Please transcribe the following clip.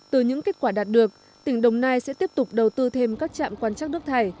từ những kết quả đạt được tỉnh đồng nai sẽ tiếp tục đầu tư thêm các trạm quan trắc nước thải